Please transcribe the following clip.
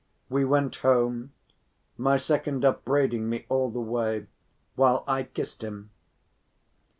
We went home, my second upbraiding me all the way, while I kissed him.